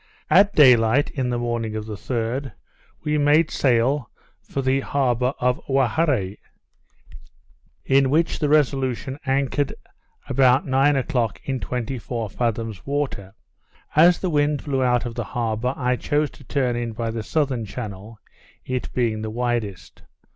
At day light, in the morning of the 3d, we made sail for the harbour of Owharre; in which the Resolution anchored, about nine o'clock, in twenty four fathoms water. As the wind blew out of the harbour, I chose to turn in by the southern channel, it being the widest.